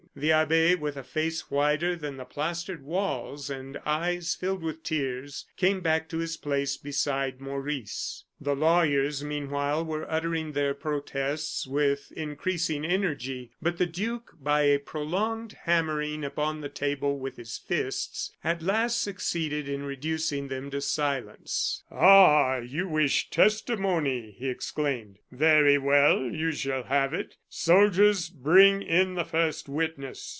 The abbe, with a face whiter than the plastered walls, and eyes filled with tears, came back to his place beside Maurice. The lawyers, meanwhile, were uttering their protests with increasing energy. But the duke, by a prolonged hammering upon the table with his fists, at last succeeded in reducing them to silence. "Ah! you wish testimony!" he exclaimed. "Very well, you shall have it. Soldiers, bring in the first witness."